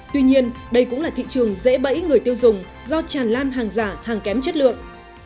tuy nhiên đây cũng là thị trường dễ bẫy người tiêu dùng do tràn lan hàng giả hàng kém chất lượng